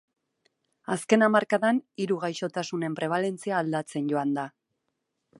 Azken hamarkadan hiru gaixotasunen prebalentzia aldatzen joan da.